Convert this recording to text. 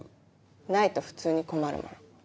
ないと普通に困るもの。